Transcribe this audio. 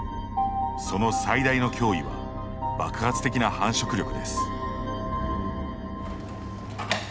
その最大の脅威は爆発的な繁殖力です。